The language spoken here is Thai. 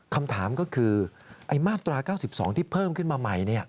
คำถามก็คือมาตรา๙๒ที่เพิ่มขึ้นมาใหม่